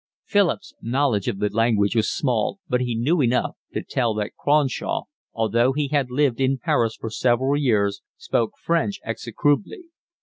Philip's knowledge of the language was small, but he knew enough to tell that Cronshaw, although he had lived in Paris for several years, spoke French execrably.